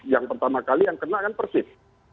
yang pertama kali yang kena kan persib